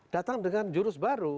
datang dengan jurus baru